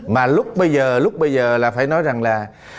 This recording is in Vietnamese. mà lúc bây giờ là phải nói rằng là